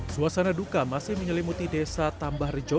suasana duka masih menyelimuti desa tambah rejo